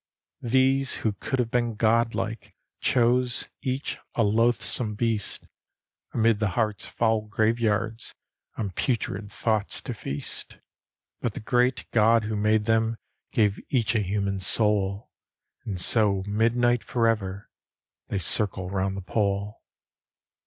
These who could have been god like, Chose, each a loathsome beast, Amid the heart’s foul graveyards, On putrid thoughts to feast; But the great God who made them Gave each a human soul, And so ’mid night forever They circle round the Pole.